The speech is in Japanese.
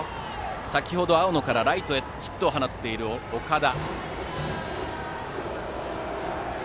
先程、青野からライトへヒットを放っている岡田。